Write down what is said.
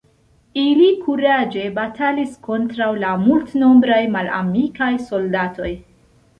Ili kuraĝe batalis kontraŭ la multnombraj malamikaj soldatoj.